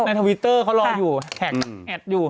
ทวิตเตอร์เขารออยู่แอดอยู่